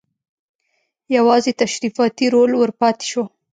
یوازې تشریفاتي رول ور پاتې شو.